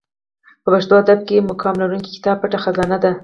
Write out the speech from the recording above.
په پښتو ادب کښي مقام لرونکى کتاب پټه خزانه دئ.